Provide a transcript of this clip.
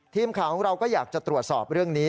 ทีมข่าวของเราก็อยากจะตรวจสอบเรื่องนี้